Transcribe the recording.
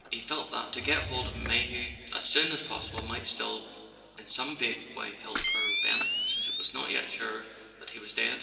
He felt that to get hold of Mayhew as soon as possible might still in some vague way help poor Benny—since it was not yet sure that he was dead.